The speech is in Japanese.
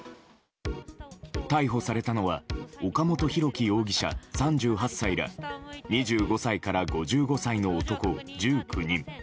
逮捕されたのは岡本大樹容疑者３８歳ら２５歳から５５歳の男、１９人。